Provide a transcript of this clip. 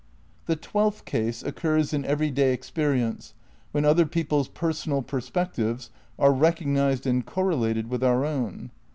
The twelfth case occurs in everyday experience when Peraomai other people's personal perspectives are recognised tt^^ and correlated with our own.